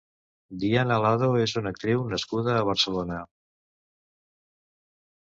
Diana Lado és una actriu nascuda a Barcelona.